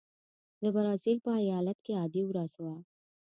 د برازیل په ایالت کې عادي ورځ وه.